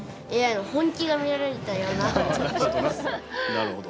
なるほど。